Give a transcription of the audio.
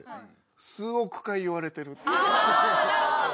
ああなるほどね。